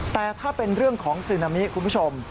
แต่ถ้าเป็นเรื่องของซึนามิคุณผู้ชม